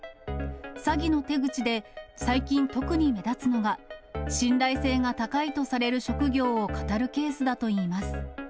詐欺の手口で、最近、特に目立つのが、信頼性が高いとされる職業をかたるケースだといいます。